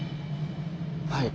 はい。